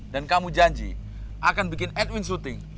dan kamu janji akan bikin edwin syuting